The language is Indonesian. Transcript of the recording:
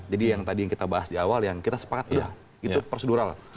jadi yang tadi kita bahas di awal yang kita sepakat itu prosedural